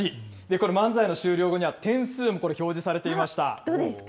これ、漫才の終了後には、点数もこれ、表示されていました。